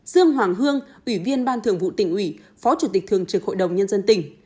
dương hoàng hương ủy viên ban thường vụ tỉnh ủy phó chủ tịch thường trực hội đồng nhân dân tỉnh